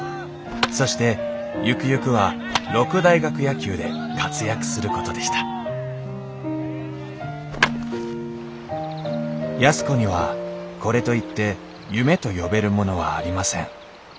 そしてゆくゆくは六大学野球で活躍することでした安子にはこれといって夢と呼べるものはありません。